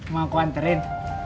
mau aku anterin